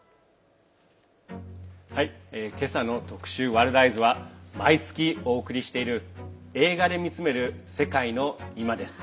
今朝の特集「ワールドＥＹＥＳ」は毎月お送りしている「映画で見つめる世界のいま」です。